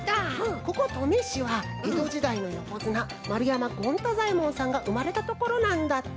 ここ登米市はえどじだいのよこづな丸山権太左衛門さんがうまれたところなんだって！